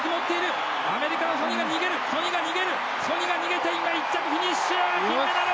ソニが逃げて１着フィニッシュ金メダル！